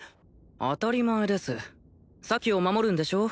当たり前です咲を守るんでしょう？